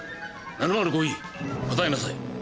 ７０５Ｅ答えなさい。